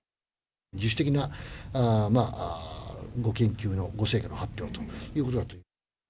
自主的なご研究のご成果の発表ということだと。